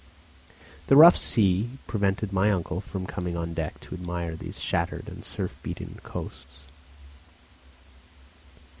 The rough sea prevented my uncle from coming on deck to admire these shattered and surf beaten coasts.